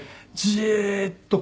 じーっと